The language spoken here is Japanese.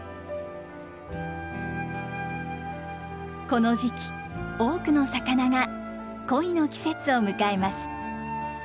この時期多くの魚が恋の季節を迎えます。